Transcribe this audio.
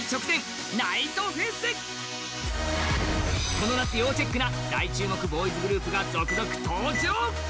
この夏要チェックな大注目ボーイズグループが続々登場！